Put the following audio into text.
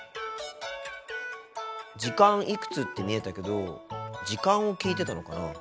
「時間いくつ」って見えたけど時間を聞いてたのかな？